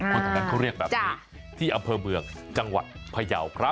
คนแถวนั้นเขาเรียกแบบนี้ที่อำเภอเมืองจังหวัดพยาวครับ